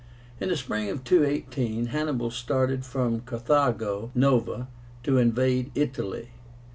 In the spring of 218 Hannibal started from Carthágo Nova to invade Italy.